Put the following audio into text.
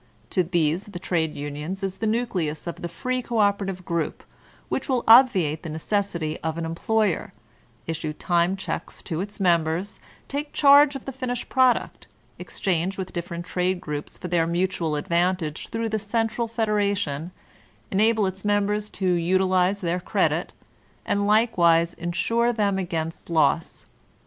To these the trade union is the nucleus of the free co operative group, which will obviate the necessity of an employer, issue time checks to its members, take charge of the finished product, exchange with different trade groups for their mutual advantage through the central federation, enable its members to utilize their credit, and likewise insure them against loss.